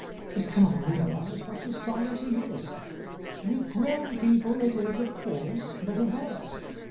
It cannot realise what Society is. With grown people it is, of course, the reverse.